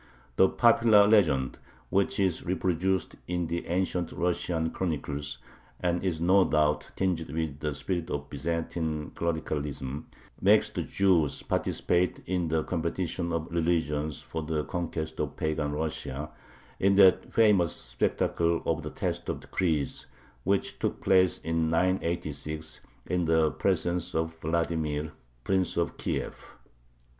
The popular legend, which is reproduced in the ancient Russian chronicles, and is no doubt tinged with the spirit of Byzantine clericalism, makes the Jews participate in the competition of religions for the conquest of pagan Russia, in that famous spectacle of the "test of creeds" which took place in 986 in the presence of Vladimir, Prince of Kiev.